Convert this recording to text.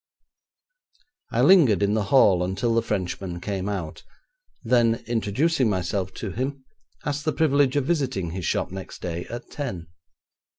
I lingered in the hall until the Frenchman came out, then, introducing myself to him, asked the privilege of visiting his shop next day at ten.